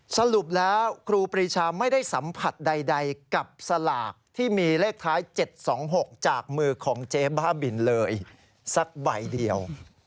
สรุปแล้วครูปรีชาไม่ได้สัมผัสใดกับสลากที่มีเลขท้าย๗๒๖จากมือของเจ๊บ้าบินเลยสักใบเดียว